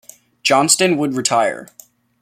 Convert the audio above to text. Johnston would retire.